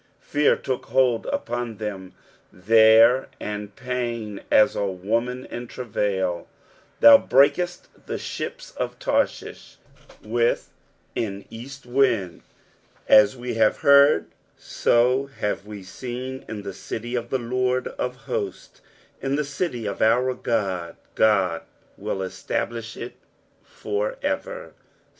6 Fear took hold upon them there, and pain, as of a woman in travail. 7 Thou breakest the ships of Tarshish with an east wind. 8 As we have heard, so have we seen in the city of the Lord of host^, in the city of our God : God will establish it for ever.